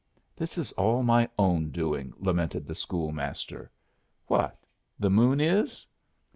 "This is all my own doing," lamented the school master. "What, the moon is?"